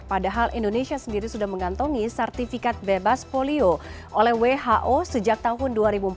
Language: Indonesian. padahal indonesia sendiri sudah mengantongi sertifikat bebas polio oleh who sejak tahun dua ribu empat belas